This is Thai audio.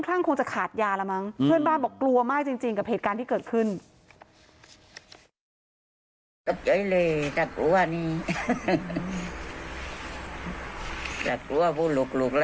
สล้อกันบ่อยถึงกว่าคืนนี้ก็สล้อกันกับพี่กับน้อง